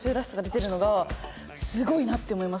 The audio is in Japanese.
すごいなって思います。